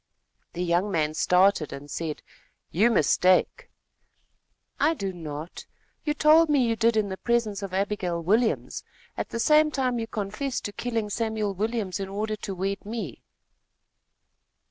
The young man started and said: "You mistake." "I do not. You told me you did in the presence of Abigail Williams. At the same time you confessed to killing Samuel Williams in order to wed me."